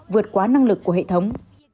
vượt quá năng lực của hệ thống